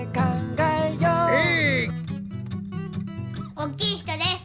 おっきい人です。